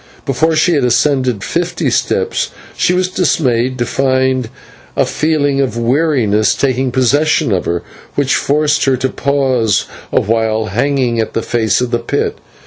Before she had ascended fifty steps she was dismayed to find a feeling of weariness taking possession of her, which forced her to pause awhile hanging to the face of the pit.